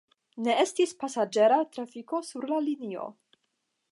Ne estis pasaĝera trafiko sur la linio.